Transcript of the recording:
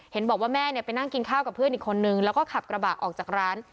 เห็นบอกว่าแม่เนี่ยไปนั่งกินข้าวกับเพื่อนอีกคนนึงแล้วก็ขับกระบะออกจากร้าน